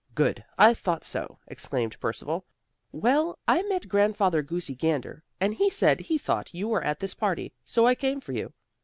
"Good! I thought so!" exclaimed Percival. "Well, I met Grandfather Goosey Gander, and he said he thought you were at this party, so I came for you.